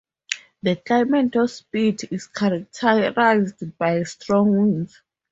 The climate of spit is characterized by strong winds.